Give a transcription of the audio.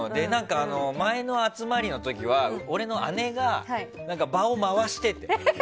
前の集まりの時は俺の姉が場を回してて。